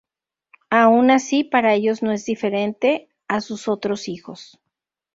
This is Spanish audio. Aun así, para ellos no es diferente a sus otros hijos.